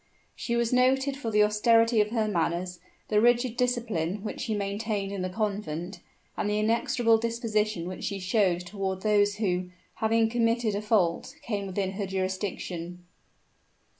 She was noted for the austerity of her manners, the rigid discipline which she maintained in the convent, and the inexorable disposition which she showed toward those who, having committed a fault, came within her jurisdiction.